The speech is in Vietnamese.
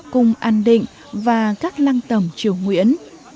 cùng an định và các lăng tầm triều nguyễn